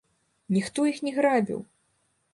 Ніхто іх не грабіў!